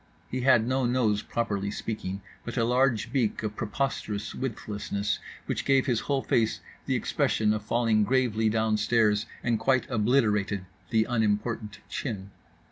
He had no nose, properly speaking, but a large beak of preposterous widthlessness, which gave his whole face the expression of falling gravely downstairs, and quite obliterated the unimportant chin.